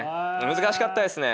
難しかったですね。